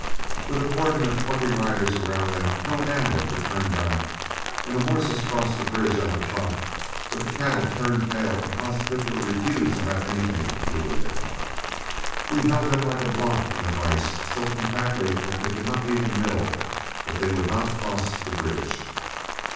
With a cordon of twenty riders around them, no animal could turn back, and the horses crossed the bridge on a trot, but the cattle turned tail and positively refused to have anything to do with it. We held them like a block in a vise, so compactly that they could not even mill, but they would not cross the bridge.